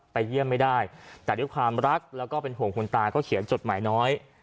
เยี่ยมไม่ได้แต่ด้วยความรักแล้วก็เป็นห่วงคุณตาก็เขียนจดหมายน้อย